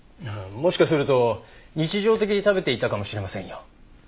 もしかすると日常的に食べていたかもしれませんよ。